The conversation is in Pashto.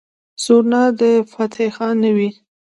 سورنا د فتح خان نه وي.